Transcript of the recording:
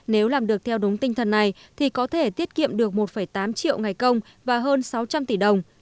nếu làm được theo đúng tinh thần này thì có thể tiết kiệm được một tám triệu ngày công và hơn sáu trăm linh tỷ đồng